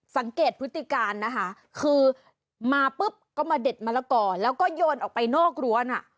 พฤติการนะคะคือมาปุ๊บก็มาเด็ดมะละกอแล้วก็โยนออกไปนอกรั้วน่ะ